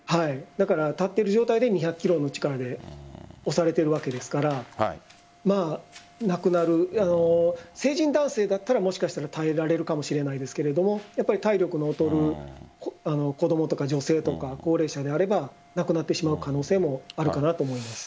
立ってる状態で２００ｋｇの力で押されているわけですから成人男性だったらもしかしたら耐えられるかもしれないですが体力の劣る子供とか女性とか高齢者であれば亡くなってしまう可能性もあるかなと思います。